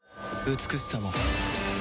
美しさも